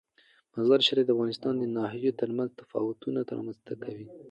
مزارشریف د افغانستان د ناحیو ترمنځ تفاوتونه رامنځ ته کوي.